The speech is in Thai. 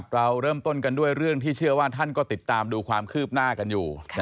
เราเริ่มต้นกันด้วยเรื่องที่เชื่อว่าท่านก็ติดตามดูความคืบหน้ากันอยู่